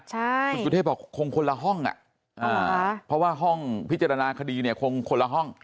คุณสุเทพบอกคงคนละห้องเพราะว่าห้องพิจารณาคดีเนี่ยคงคนละห้อง